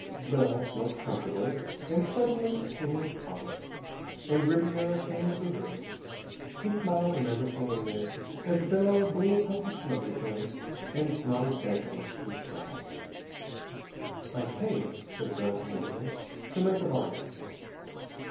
Bell smoked comfortably. And suddenly hangings parted, and Ribiera came into the room. He smiled nervously, and then, as Bell blew a puff of smoke at him and nodded casually, he scowled. "I came," said Bell deliberately, "to make a bargain.